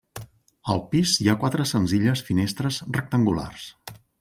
Al pis hi ha quatre senzilles finestres rectangulars.